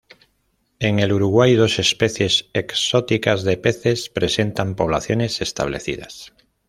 En el Uruguay dos especies exóticas de peces presentan poblaciones establecidas.